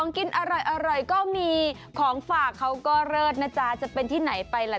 ของฝากเขาก็เลิศนะจะเป็นที่ไหนไปล่ะ